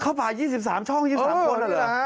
เข้าผ่าน๒๓ช่อง๒๓คนอ่ะเหรอ